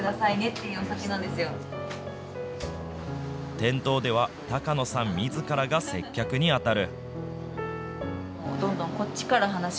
店頭では高野さんみずからが接客に当たる。